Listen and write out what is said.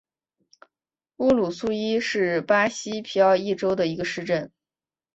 乌鲁苏伊是巴西皮奥伊州的一个市镇。